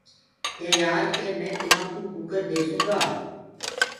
ڪي يآر ڪي مي تمآ ڪوُ ڪٚڪَر ديسونٚ گا۔